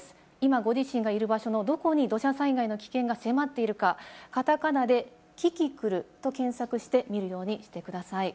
今ご自身がいる場所のどこに土砂災害の危険が迫っているか、カタカナで「キキクル」と検索してみるようにしてください。